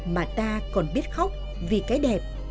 mà ta còn biết khóc vì cái đẹp